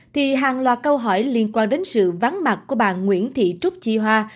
thì hàng loạt câu hỏi liên quan đến sự vắng mặt của bà nguyễn thị trúc chi hoa